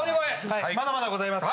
はいまだまだございます。